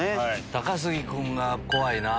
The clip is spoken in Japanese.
高杉君が怖いな。